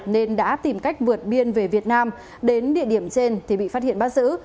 nên đã tìm cách vượt biên về việt nam đến địa điểm trên thì bị phát hiện bắt giữ